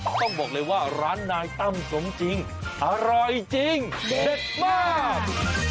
ต้องบอกเลยว่าร้านนายตั้มสมจริงอร่อยจริงเด็ดมาก